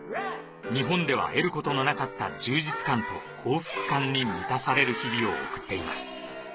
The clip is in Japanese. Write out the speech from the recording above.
日本では得ることのなかった充実感と幸福感に満たされる日々を送っています。